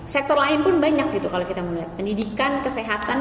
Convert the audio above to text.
sektor lain pun banyak gitu kalau kita mau lihat pendidikan kesehatan